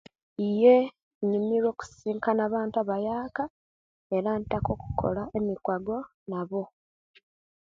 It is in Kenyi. Yee inyumira okusisinkana abantu abayaka era ntaka okukola emikwago nabo